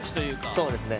そうですね。